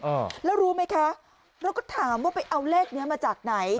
อ่าแล้วรู้ไหมคะเราก็ถามว่าไปเอาเลขเนี้ยมาจากไหน